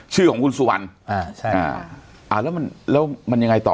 ชื่อของคุณสุวรรณอ่าใช่อ่าอ่าแล้วมันแล้วมันยังไงต่อ